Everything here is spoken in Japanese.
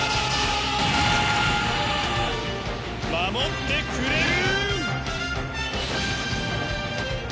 護ってくれる！